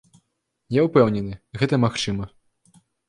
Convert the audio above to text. Я ўпэўнены, гэта магчыма.